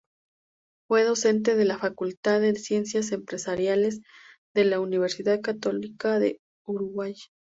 Fue docente de la Facultad de Ciencias Empresariales de la Universidad Católica del Uruguay.